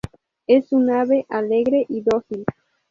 Es un ave alegre y dócil.